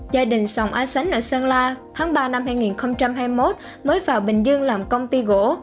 gia đình sòng a sánh ở sơn la tháng ba năm hai nghìn hai mươi một mới vào bình dương làm công ty gỗ